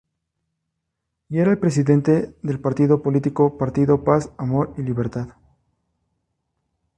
Y era el presidente del partido político "Partido Paz, Amor y Libertad".